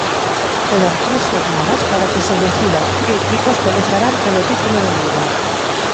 Quedan tres xornadas para que se decida que equipos pelexarán polo título de Liga.